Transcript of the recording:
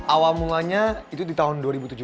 awal mulanya itu di tahun dua ribu tujuh belas